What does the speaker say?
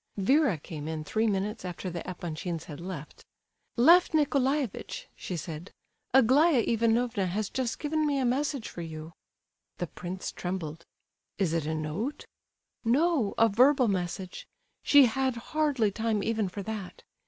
Vera came in three minutes after the Epanchins had left. "Lef Nicolaievitch," she said, "Aglaya Ivanovna has just given me a message for you." The prince trembled. "Is it a note?" "No, a verbal message; she had hardly time even for that.